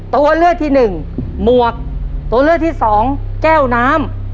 ตัวเลือกที่หนึ่งหมวกตัวเลือกที่สองแก้วน้ำ